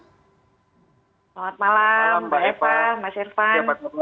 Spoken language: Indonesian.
saat malam mbak eva mas irfan